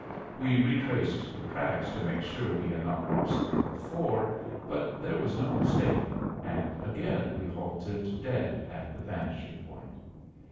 We retraced the tracks to make sure we had not lost them before, but there was no mistake, and again we halted dead at the vanishing point.